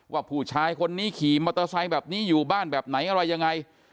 ว่าผู้ชายคนนี้ขี่มอเตอร์ไซค์แบบนี้อยู่บ้านแบบไหนอะไรยังไง